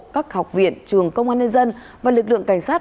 các học viện trường công an nhân dân và lực lượng cảnh sát